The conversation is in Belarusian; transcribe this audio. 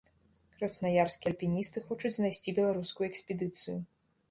Краснаярскія альпіністы хочуць знайсці беларускую экспедыцыю.